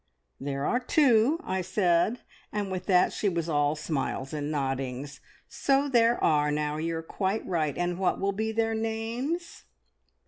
`There are two,' I said, and with that she was all smiles and noddings. `So there are, now. You're quite right. And what will be their names?'